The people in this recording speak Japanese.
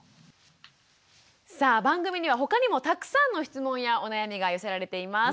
さあ番組には他にもたくさんの質問やお悩みが寄せられています。